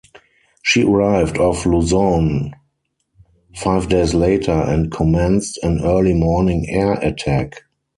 She arrived off Luzon five days later and commenced an early morning air attack.